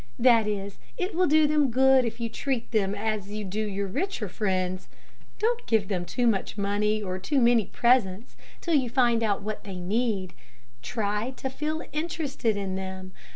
That is, it will do them good if you treat them as you do your richer friends. Don't give them too much money, or too many presents, till you find out what they need. Try to feel interested in them.